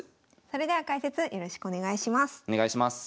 それでは解説よろしくお願いします。